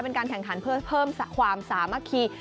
เป็นการแข่งขันเพื่อเพิ่มความสามัคคี